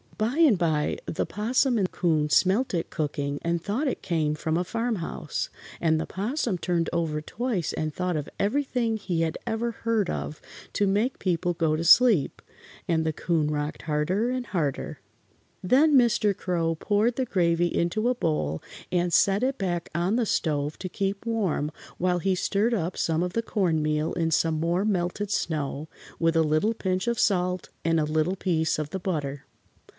By and by the 'Possum and 'Coon smelt it cooking and thought it came from a farm house, and the 'Possum turned over twice and thought of everything he had ever heard of to make people go to sleep, and the 'Coon rocked harder and harder. Then Mr. Crow poured the gravy into a bowl and set it back on the stove to keep warm while he stirred up some of the cornmeal in some more melted snow, with a little pinch of salt and a little piece of the butter.